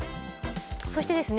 そしてですね